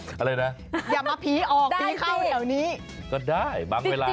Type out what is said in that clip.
ได้ไหมอย่ามาพีออกพีเข้าแถวนี้ได้สิก็ได้บางเวลา